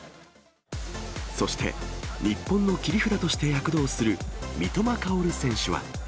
そして、日本の切り札として躍動する三笘薫選手は。